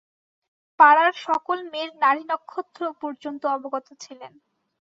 পাড়ার সকল মেয়ের নাড়ীনক্ষত্র পর্যন্ত অবগত ছিলেন।